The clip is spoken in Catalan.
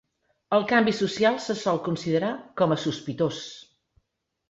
El canvi social se sol considerar com a sospitós.